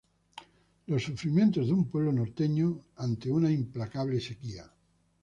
Los sufrimientos de un pueblo norteño ante una implacable sequía.